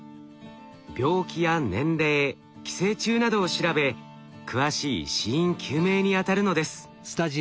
病気や年齢寄生虫などを調べ詳しい死因究明にあたるのです。